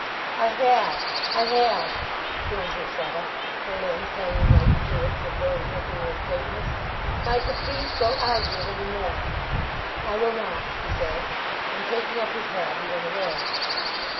"I have, I have," groaned Lucetta, her limbs hanging like fluid, from very misery and faintness. "Michael, please don't argue it any more!" "I will not," he said. And taking up his hat he went away.